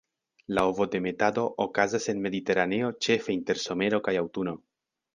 La ovodemetado okazas en Mediteraneo ĉefe inter somero kaj aŭtuno.